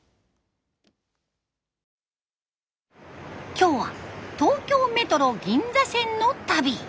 今日は東京メトロ銀座線の旅。